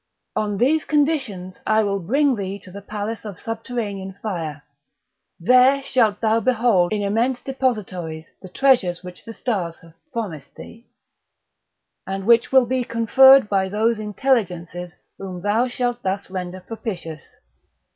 On these conditions I will bring thee to the palace of subterranean fire; there shalt thou behold in immense depositories the treasures which the stars have promised thee, and which will be conferred by those Intelligences whom thou shalt thus render propitious.